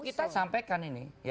oh kita sampaikan ini